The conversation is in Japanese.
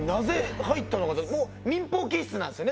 民放気質なんですよね？